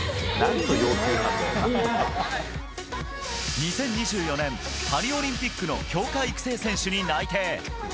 ２０２４年パリオリンピックの強化育成選手に内定。